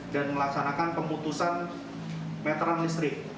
dan melaksanakan pemutusan meteran listrik